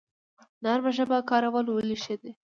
نرمه ژبه کارول ولې ښه دي؟